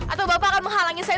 atau bapak akan menghalangi saya